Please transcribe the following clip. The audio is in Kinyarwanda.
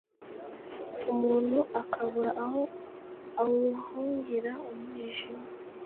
umuntu akabura aho awuhungira umwijima